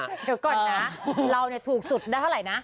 เดี๋ยวก่อนนะเราถูกสุดได้เท่าไหร่นะ